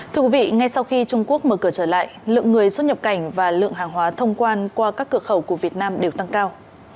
thưa quý vị ngay sau khi trung quốc mở cửa trở lại lượng người xuất nhập cảnh và lượng hàng hóa thông quan qua các cửa khẩu của việt nam đều tăng cao